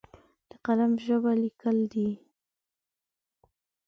د قلم ژبه لیکل دي!